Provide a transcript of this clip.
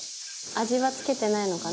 「味は付けてないのかな？